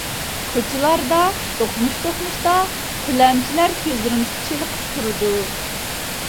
كوچىلاردا دوقمۇش-دوقمۇشتا تىلەمچىلەر كۆزىمىزگە چېلىقىپ تۇرىدۇ.